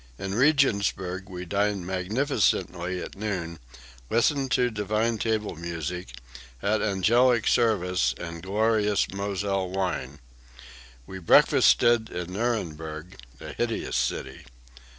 "In Regensburg we dined magnificently at noon, listened to divine table music, had angelic service and glorious Mosel wine. We breakfasted in Nuremberg, a hideous city.